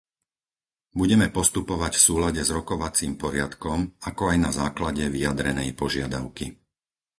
Budeme postupovať v súlade s Rokovacím poriadkom, ako aj na základe vyjadrenej požiadavky.